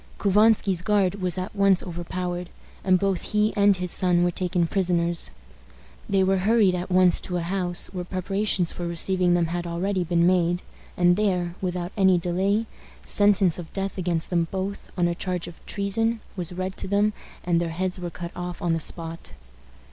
Couvansky's guard was at once overpowered, and both he and his son were taken prisoners. They were hurried at once to a house, where preparations for receiving them had already been made, and there, without any delay, sentence of death against them both, on a charge of treason, was read to them, and their heads were cut off on the spot.